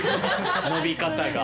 伸び方が。